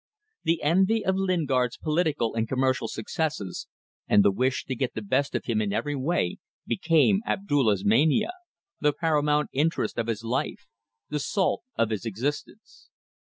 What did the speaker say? The envy of Lingard's political and commercial successes, and the wish to get the best of him in every way, became Abdulla's mania, the paramount interest of his life, the salt of his existence.